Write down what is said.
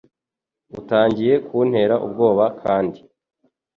Utangiye kuntera ubwoba kandi.